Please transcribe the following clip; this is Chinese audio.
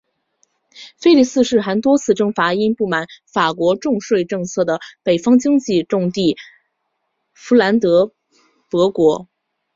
腓力四世还多次征伐因不满法国重税政策的北方经济重地佛兰德伯国。